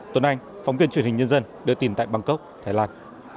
tuấn anh phóng viên truyền hình nhân dân đưa tin tại bangkok thái lan